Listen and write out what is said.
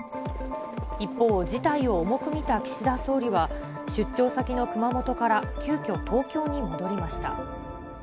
一方、事態を重く見た岸田総理は、出張先の熊本から急きょ、東京に戻りました。